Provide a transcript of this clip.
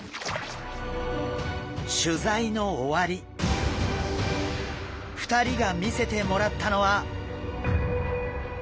取材の終わり２人が見せてもらったのは。